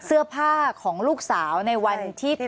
เสื้อผ้าของลูกสาวในวันที่